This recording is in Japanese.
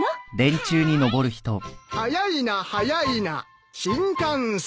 「速いな速いな新幹線」